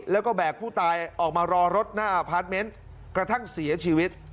แล้วก็แบกผู้ตายออกมารอรถหน้าอพาร์ทเมนต์กระทั่งเสียชีวิต